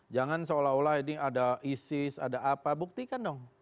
jangan seolah olah ini ada isis ada apa buktikan dong